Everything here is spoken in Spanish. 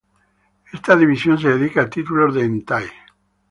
Esta división se dedica a títulos de Hentai.